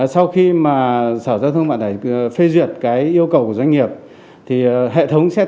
sau khi mà sở giao thông vận tải phê duyệt cái yêu cầu của doanh nghiệp